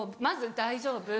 まず「大丈夫？」。